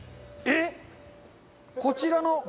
こちらの。